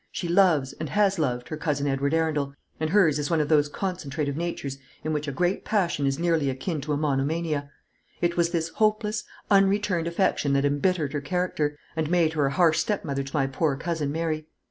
She loves, and has loved, her cousin Edward Arundel; and hers is one of those concentrative natures in which a great passion is nearly akin to a monomania. It was this hopeless, unreturned affection that embittered her character, and made her a harsh stepmother to my poor cousin Mary.